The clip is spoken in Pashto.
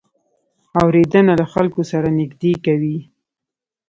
اورېدنه له خلکو سره نږدې کوي.